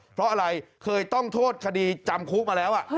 เพราะอะไรเคยต้องโทษคดีจำคุกมาแล้ว